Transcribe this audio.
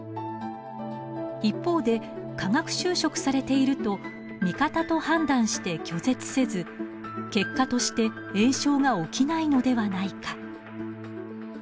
一方で化学修飾されていると味方と判断して拒絶せず結果として炎症が起きないのではないか。